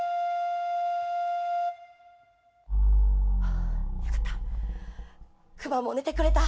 あよかった熊も寝てくれた。